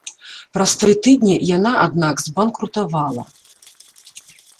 Праз тры тыдні яна, аднак, збанкрутавала.